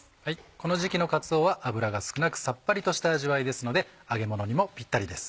この時期のかつおは脂が少なくさっぱりとした味わいですので揚げものにもピッタリです。